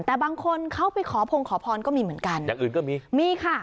แต่บางคนเขาไปขอพงขอพรก็มีเหมือนกันอย่างอื่นก็มีมีค่ะ